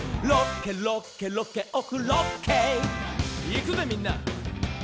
「いくぜみんな」